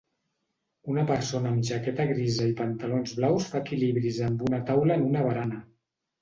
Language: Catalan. Una persona amb jaqueta grisa i pantalons blaus fa equilibris amb una taula en una barana